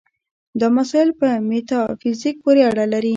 دا مسایل په میتافیزیک پورې اړه لري.